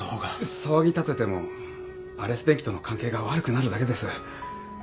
騒ぎ立ててもアレス電機との関係が悪くなるだけです。